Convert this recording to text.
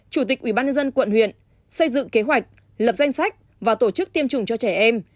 chủ tịch ủy ban nhân dân quận huyện xây dựng kế hoạch lập danh sách và tổ chức tiêm chủng cho trẻ em